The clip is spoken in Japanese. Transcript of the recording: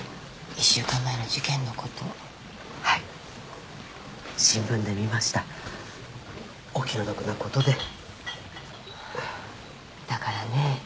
１週間前の事件のことはい新聞で見ましたお気の毒なことでだからね